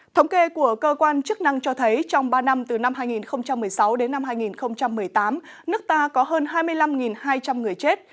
thống kê của cơ quan chức năng cho thấy trong ba năm từ năm hai nghìn một mươi sáu đến năm hai nghìn một mươi tám nước ta có hơn hai mươi năm hai trăm linh người chết